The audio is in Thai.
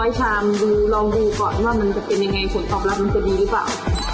ชามดูลองดูก่อนว่ามันจะเป็นยังไงผลตอบรับมันจะดีหรือเปล่า